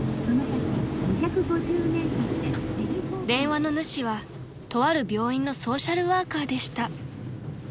［電話の主はとある病院のソーシャルワーカーでした］